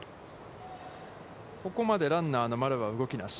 ここまでランナーの丸は動きなし。